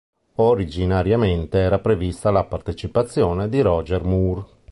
Originariamente era prevista la partecipazione di Roger Moore.